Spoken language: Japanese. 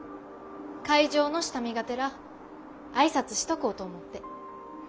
会場の下見がてら挨拶しとこうと思って。